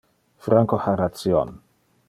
Franco ha ration.